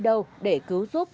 đâu để cứu giúp